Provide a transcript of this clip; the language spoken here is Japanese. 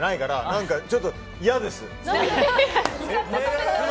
ちょっと、嫌です！